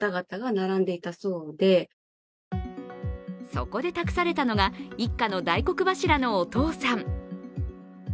そこで託されたのが一家の大黒柱のお父さん。